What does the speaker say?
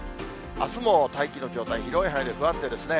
あすも大気の状態、広い範囲で不安定ですね。